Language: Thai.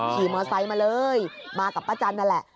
ขี่มอไซค์มาเลยมากับป้าจันทร์นั่นแหละ